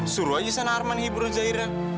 suruh aja sana arman hibur zairan